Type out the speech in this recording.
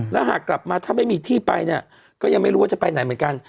แล้วหากกลับมาถ้าไม่มีที่ไปเนี่ยก็ยังไม่รู้ว่าจะไปไหนเหมือนกัน